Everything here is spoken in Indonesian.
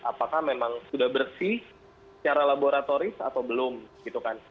apakah memang sudah bersih secara laboratoris atau belum gitu kan